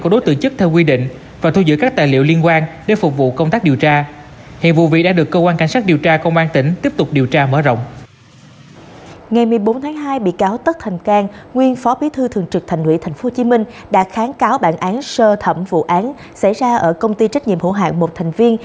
đã kháng cáo bản án sơ thẩm vụ án xảy ra ở công ty trách nhiệm hữu hạng một thành viên